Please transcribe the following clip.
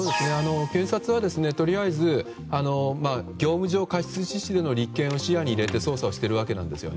検察は、とりあえず業務上過失致死での立件を視野に入れて捜査しているわけです。